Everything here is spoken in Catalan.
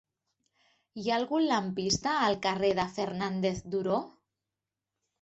Hi ha algun lampista al carrer de Fernández Duró?